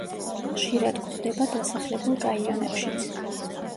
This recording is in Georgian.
ხშირად გვხვდება დასახლებულ რაიონებშიც.